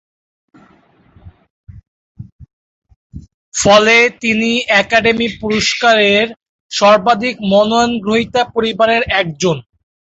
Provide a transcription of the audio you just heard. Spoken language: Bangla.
ফলে তিনি একাডেমি পুরস্কারের সর্বাধিক মনোনয়ন গ্রহীতা পরিবারের একজন।